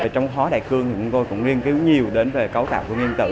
trong hóa đại cương thì chúng tôi cũng nghiên cứu nhiều đến về cấu tạo của nguyên tử